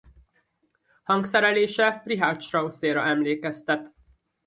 Hangszerelése Richard Strausséra emlékeztet.